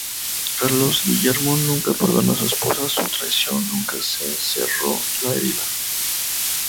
Carlos Guillermo nunca perdonó a su esposa su traición, nunca se cerró la herida.